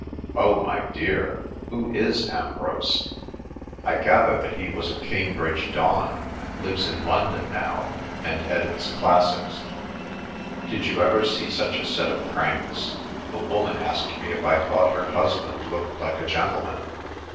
"Oh, my dear! Who is Ambrose?" "I gather that he was a Cambridge don; lives in London now, and edits classics." "Did you ever see such a set of cranks? The woman asked me if I thought her husband looked like a gentleman!"